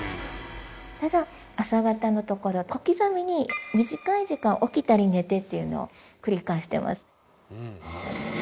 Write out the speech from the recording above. ただ朝方のところ小刻みに短い時間起きたり寝てっていうのを繰り返してます